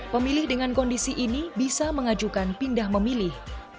pemilih dengan kondisi ini bisa mengajukan pindah memilih